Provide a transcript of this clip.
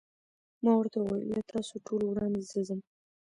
ما ورته وویل: له تاسو ټولو وړاندې زه ځم.